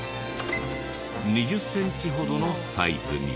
２０センチほどのサイズに。